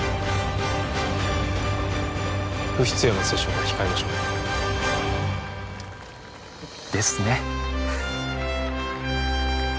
不必要な接触は控えましょうですね